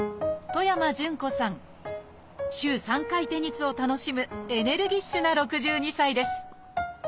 週３回テニスを楽しむエネルギッシュな６２歳です